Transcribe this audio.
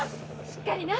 しっかりな！